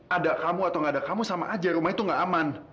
ada kamu atau nggak ada kamu sama aja rumah itu nggak aman